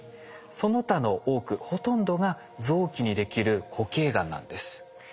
その他の多くほとんどが臓器にできる固形がんなんです。